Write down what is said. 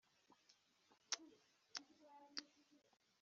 Ingingo ya kane Ingaruka z ubwumvikane